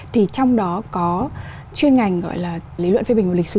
thì trong đó có chuyên ngành gọi là lý luận phê bình của lịch sử